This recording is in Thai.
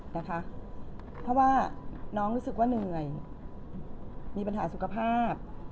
เพราะว่าน้องรู้สึกว่าเหนื่อยมีปัญหาสุขภาพ